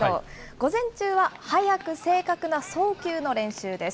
午前中は速く正確な送球の練習です。